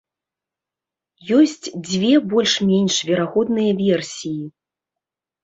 Ёсць дзве больш-менш верагодныя версіі.